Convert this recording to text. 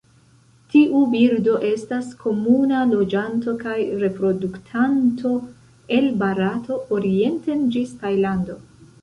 Tiu birdo estas komuna loĝanto kaj reproduktanto el Barato orienten ĝis Tajlando.